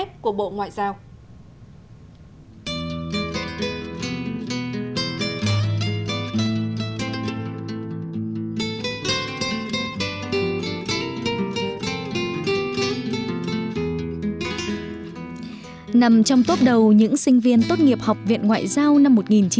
trong tốt đầu những sinh viên tốt nghiệp học viện ngoại giao năm một nghìn chín trăm tám mươi năm